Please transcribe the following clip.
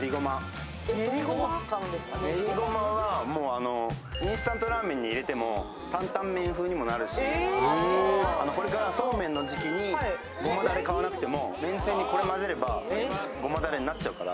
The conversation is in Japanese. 練りごまはインスタントラーメンに入れても担々麺風になるしこれからそうめんの時期にごまだれを買わなくてもめんつゆにこれを混ぜれば、ごまだれになっちゃうから。